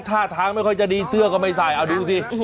ท่าทางไม่ค่อยจะดีเสื้อก็ไม่ใส่เอาดูสิ